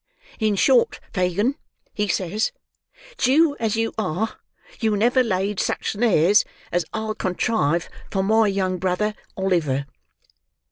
'In short, Fagin,' he says, 'Jew as you are, you never laid such snares as I'll contrive for my young brother, Oliver.